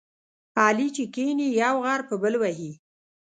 علي چې کېني، یو غر په بل وهي.